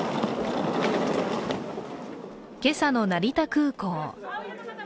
今朝の成田空港。